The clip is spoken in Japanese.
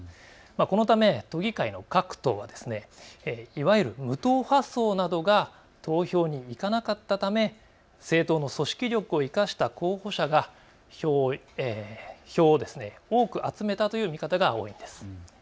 このため都議会の各党はいわゆる無党派層などが投票に行かなかったため政党の組織力を生かした候補者が票を多く集めたという見方が多いです。